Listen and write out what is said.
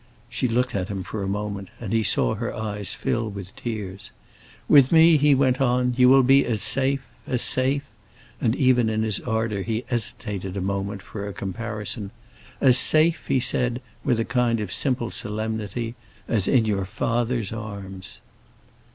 She looked at him for a moment, and he saw her eyes fill with tears. "With me," he went on, "you will be as safe—as safe"—and even in his ardor he hesitated a moment for a comparison—"as safe," he said, with a kind of simple solemnity, "as in your father's arms."